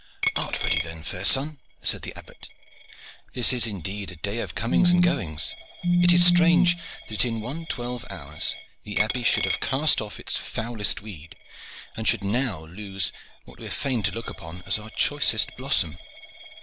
"Art ready, then, fair son?" said the Abbot. "This is indeed a day of comings and of goings. It is strange that in one twelve hours the Abbey should have cast off its foulest weed and should now lose what we are fain to look upon as our choicest blossom."